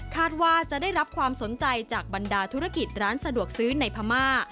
ว่าจะได้รับความสนใจจากบรรดาธุรกิจร้านสะดวกซื้อในพม่า